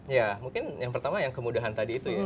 ya mungkin yang pertama yang kemudahan tadi itu ya